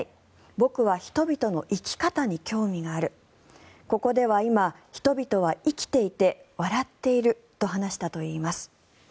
僕は人々の生き方に興味があるここでは今、人々は生きていて笑っていると話したといいます。